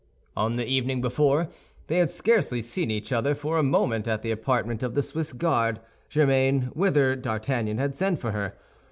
On the evening before, they had scarcely seen each other for a moment at the apartment of the Swiss guard, Germain, whither D'Artagnan had sent for her.